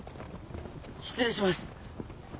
失礼します。